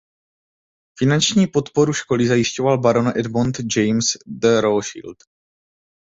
Finanční podporu školy zajišťoval baron Edmond James de Rothschild.